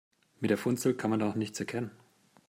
Mit der Funzel kann man doch nichts erkennen.